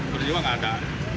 peristiwa nggak ada